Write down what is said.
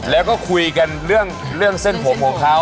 แล้วก็คุยกันเรื่องเส้นผมของเขา